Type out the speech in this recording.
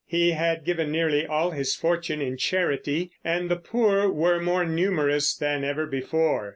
He had given nearly all his fortune in charity, and the poor were more numerous than ever before.